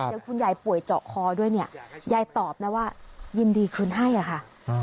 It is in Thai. แล้วคุณยายป่วยเจาะคอด้วยเนี่ยยายตอบนะว่ายินดีคืนให้อะค่ะ